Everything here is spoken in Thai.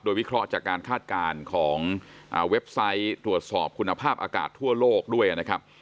วิเคราะห์จากการคาดการณ์ของเว็บไซต์ตรวจสอบคุณภาพอากาศทั่วโลกด้วยนะครับ